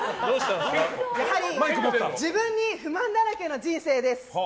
やはり、自分に不満だらけの人生です。